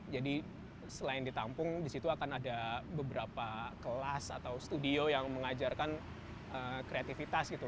jadi selain ditampung disitu akan ada beberapa kelas atau studio yang mengajarkan kreativitas